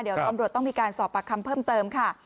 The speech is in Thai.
เดี๋ยวตำรวจต้องมีการสอบปากคำเพิ่มเติมค่ะ